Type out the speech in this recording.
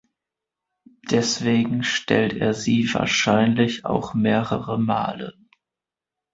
Deswegen stellt er sie wahrscheinlich auch mehrere Male.